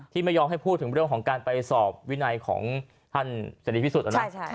ไม่ยอมให้พูดถึงเรื่องของการไปสอบวินัยของท่านเสรีพิสุทธินะ